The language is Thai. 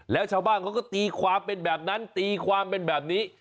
แล้วชาวบ้านเขาก็ตีความเป็นแบบนั้นตีความเป็นแบบนี้